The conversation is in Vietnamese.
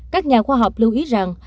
các nhà khoa học lưu ý rằng